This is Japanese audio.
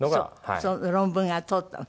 その論文が通ったの？